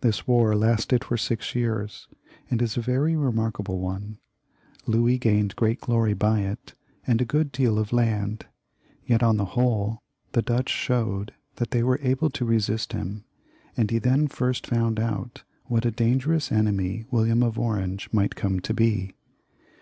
This war lasted for six years, and is a very remarkable 344 LOUIS XIV. [CH. one. Louis gained great glory by it, and a good deal of land ; yet, on the whole, the Dutch showed that they were able to resist him, and he then first found out what a dan gerous enemy William of Orange might come to be.